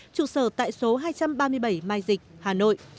trụ sở tại số hai trăm ba mươi bảy mai dịch hà nội